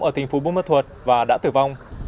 ở tp bùi mà thuật và đã tử vong